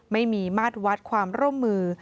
ไม่มีมาตรวัดความร่วมมือ